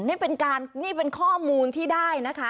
นี้เป็นข้อมูลที่ได้นะคะ